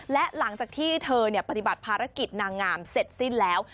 และหลังจากที่เธอปฏิบัติภารกิจนางงามเสร็จสิ้นแล้ว